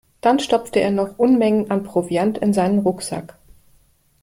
Dann stopfte er noch Unmengen an Proviant in seinen Rucksack.